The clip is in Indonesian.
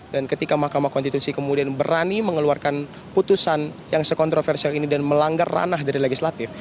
dan ketika mk kemudian berani mengeluarkan putusan yang sekontroversial ini dan melanggar ranah dari legislatif